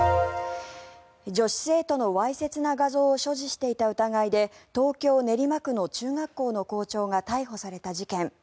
女子生徒のわいせつな画像を所持していた疑いで東京・練馬区の中学校の校長が逮捕された事件。